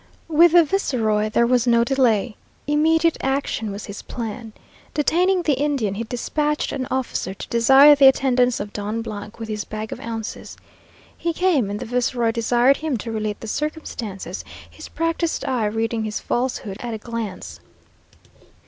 With the viceroy there was no delay. Immediate action was his plan. Detaining the Indian, he despatched an officer to desire the attendance of Don with his bag of ounces. He came, and the viceroy desired him to relate the circumstances, his practised eye reading his falsehood at a glance.